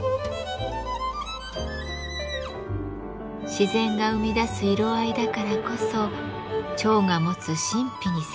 自然が生み出す色合いだからこそ蝶が持つ神秘に迫れるといいます。